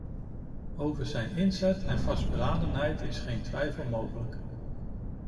Over zijn inzet en vastberadenheid is geen twijfel mogelijk.